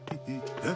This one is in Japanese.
えっ？